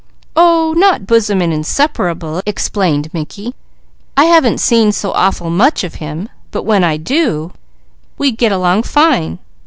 "Oh not bosom and inseparable," explained Mickey. "I haven't seen so awful much of him, but when I do, we get along fine."